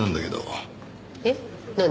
えっ？何？